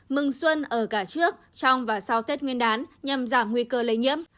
mừng xuân ở cả trước trong và sau tết nguyên đán nhằm giảm nguy cơ lây nhiễm